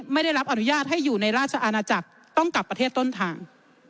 ไม่ได้รับอนุญาตให้อยู่ในราชอาณาจักรต้องกลับประเทศต้นทาง